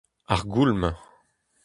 Ar Goulm.